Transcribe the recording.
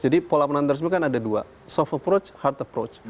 pola penanganan tersebut kan ada dua soft approach hard approach